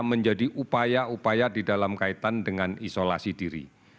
menjadi upaya upaya di dalam kaitan dengan isolasi diri